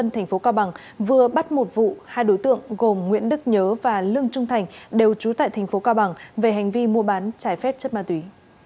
công an tp cao bằng vừa bắt một vụ hai đối tượng gồm nguyễn đức nhớ và lương trung thành đều trú tại thành phố cao bằng về hành vi mua bán trái phép chất ma túy